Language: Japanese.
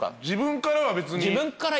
自分からは別に。